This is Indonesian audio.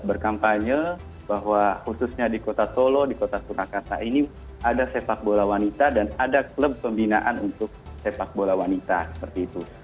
berkampanye bahwa khususnya di kota solo di kota surakarta ini ada sepak bola wanita dan ada klub pembinaan untuk sepak bola wanita seperti itu